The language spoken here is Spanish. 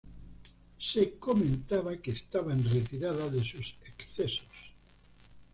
Se comentaba que estaba en retirada de sus excesos.